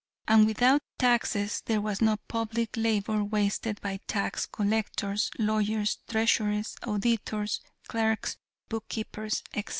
And without taxes there was no public labor wasted by tax collectors, lawyers, treasurers, auditors, clerks, book keepers, etc.